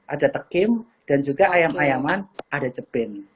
ada tekim dan juga ayam ayaman ada jebin